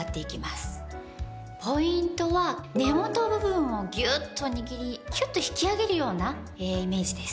ポイントは根元部分をギュッと握りキュッと引き上げるようなイメージです。